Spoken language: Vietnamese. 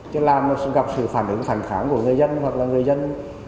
chứ làm nó sẽ gặp sự phản ứng phản kháng của người dân hoặc là người dân